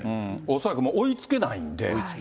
恐らくもう追いつけないんで。